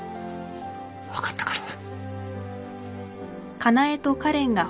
分かったから。